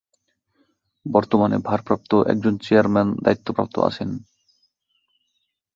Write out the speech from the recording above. বর্তমানে ভারপ্রাপ্ত একজন চেয়ারম্যান দায়িত্বপ্রাপ্ত আছেন।